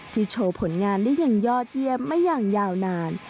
โชว์ผลงานได้อย่างยอดเยี่ยมมาอย่างยาวนาน